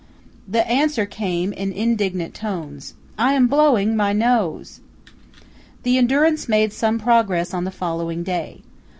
The answer came in indignant tones: "I am blowing my nose." The Endurance made some progress on the following day.